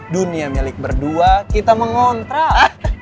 dunia milik berdua kita mengontrak